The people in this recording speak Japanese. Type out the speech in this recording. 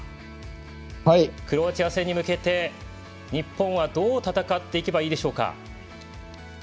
クロアチア戦に向けて日本はどう戦っていけばいいでしょうか。